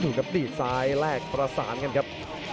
ถึงทับทีซ้ายแลกประสานกันครับ